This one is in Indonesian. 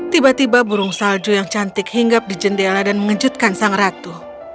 tiba tiba burung salju yang cantik hinggap di jendela dan mengejutkan sang ratu